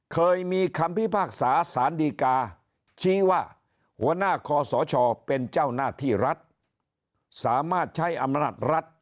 เคยมีคำพิพากษาสารดีกาชี้ว่าหัวหน้าคอสชเป็นเจ้าหน้าที่รัฐสามารถใช้อำนาจรัฐ